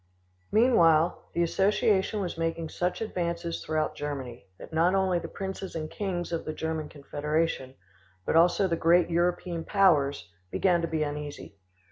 Meanwhile the association was making such advances throughout Germany that not only the princes and kings of the German confederation, but also the great European powers, began to be uneasy.